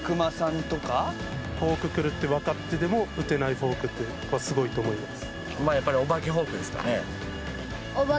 フォークくるってわかってても打てないフォークってやっぱすごいと思います。